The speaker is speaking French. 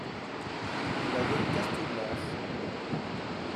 Il avait carte blanche.